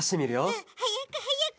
うんはやくはやく！